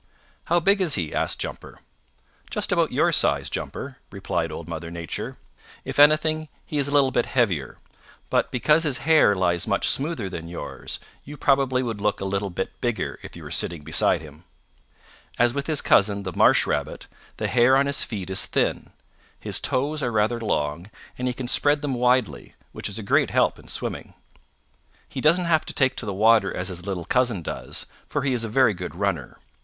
"How big is he?" asked Jumper. "Just about your size, Jumper," replied Old Mother Nature. "If anything, he is a little bit heavier. But because his hair lies much smoother than yours, you probably would look a little bit bigger if you were sitting beside him. As with his cousin, the Marsh Rabbit, the hair on his feet is thin. His toes are rather long and he can spread them widely, which is a great help in swimming. He doesn't have to take to the water as his little cousin does, for he is a very good runner.